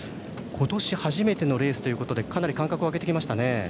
今年初めてのレースということでかなり間隔をあけてきましたね。